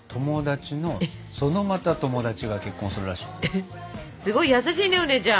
えっすごい優しいねお姉ちゃん！